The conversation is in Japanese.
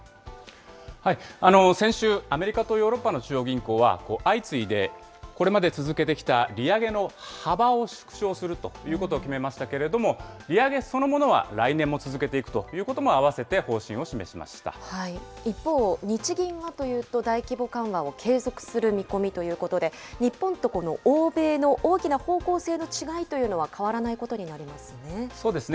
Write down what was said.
先週、アメリカとヨーロッパの中央銀行は、相次いでこれまで続けてきた利上げの幅を縮小するということを決めましたけれども、利上げそのものは来年も続けていくということも併せて方針を示し一方、日銀はというと大規模緩和を継続する見込みということで、日本と欧米の大きな方向性の違いというのは変わらないことになりますね。